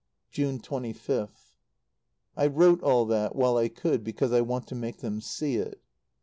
June 25th. I wrote all that, while I could, because I want to make them see it.